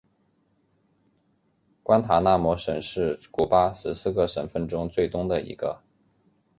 关塔那摩省是古巴十四个省份中最东的一个。